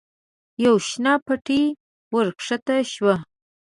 پر شنه پټي ور کښته شوه.